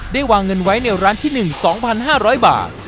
วางเงินไว้ในร้านที่๑๒๕๐๐บาท